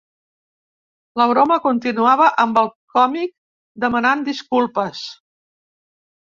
La broma continuava amb el còmic demanant disculpes.